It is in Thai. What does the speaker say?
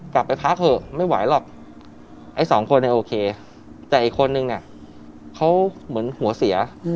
กลับไปพักเถอะไม่ไหวหรอกไอ้สองคนเนี่ยโอเคแต่อีกคนนึงเขาเหมือนหัวเสีย